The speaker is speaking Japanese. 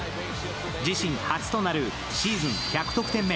自身初となるシーズン１００得点目。